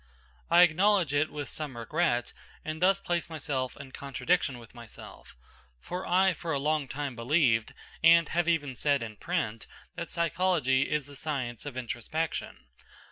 I acknowledge it with some regret, and thus place myself in contradiction with myself; for I for a long time believed, and have even said in print, that psychology is the science of introspection.